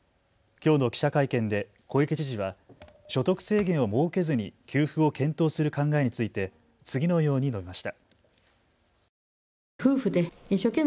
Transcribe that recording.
きょうの記者会見で小池知事は所得制限を設けずに給付を検討する考えについて次のように述べました。